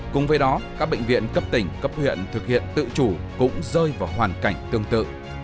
cùng với đó các bệnh viện cấp tỉnh cấp huyện thực hiện tự chủ cũng rơi vào hoàn cảnh tương tự